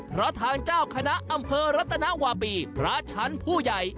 เพราะทางเจ้าคณะอำเภอรัตนวาปีพระชั้นผู้ใหญ่